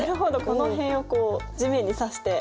この辺をこう地面に刺して。